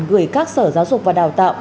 gửi các sở giáo dục và đào tạo